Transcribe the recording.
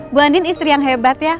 bu andin istri yang hebat ya